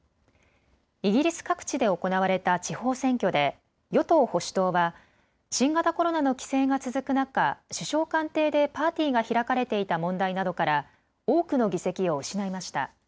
イギリス各地で行われた地方選挙で与党保守党は新型コロナの規制が続く中、首相官邸でパーティーが開かれていた問題などから多くの議席を失いました。